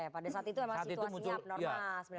pada saat itu emang situasinya normal sembilan puluh delapan